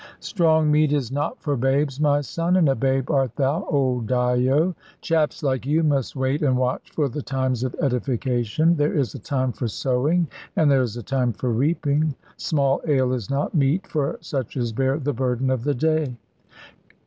"Strong meat is not for babes, my son; and a babe art thou, old Dyo. Chaps like you must wait and watch for the times of edification. There is a time for sowing, and there is a time for reaping. Small ale is not meat for such as bear the burden of the day."